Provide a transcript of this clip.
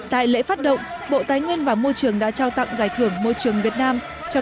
tại lễ phát động bộ tài nguyên và môi trường đã trao tặng giải thưởng môi trường việt nam cho